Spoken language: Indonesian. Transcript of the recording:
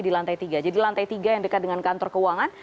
di lantai tiga jadi lantai tiga yang dekat dengan kantor keuangan